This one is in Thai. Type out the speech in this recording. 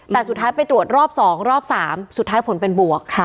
แต่สุดท้ายไปตรวจรอบ๒รอบ๓สุดท้ายผลเป็นบวกค่ะ